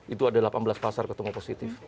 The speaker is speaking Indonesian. itu ada delapan belas pasar ketemu positif